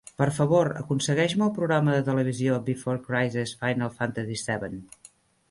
Per favor, aconsegueix-me el programa de televisió "Before Crisis: Final Fantasy VII".